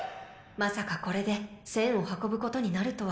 まさかこれで栓を運ぶことになるとは。